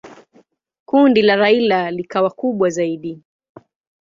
Kundi la Raila likawa kubwa zaidi.